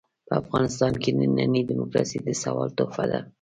په افغانستان کې ننۍ ډيموکراسي د سوال تحفه ده.